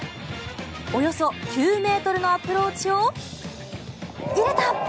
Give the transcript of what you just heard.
およそ９ｍのアプローチを入れた！